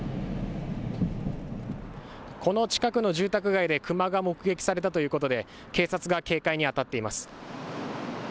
この近くの住宅街でクマが目撃されたということで、警察が警戒に当たっています。